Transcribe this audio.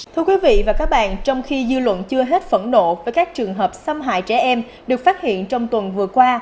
thưa quý vị và các bạn trong khi dư luận chưa hết phẫn nộ với các trường hợp xâm hại trẻ em được phát hiện trong tuần vừa qua